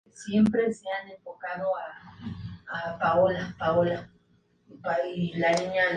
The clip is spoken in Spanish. Oye, estos tipos son profesionales. Son lo mejor.